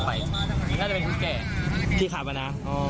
ก็ไปน่าจะเป็นคุณแก่ที่ขับอ่ะนะ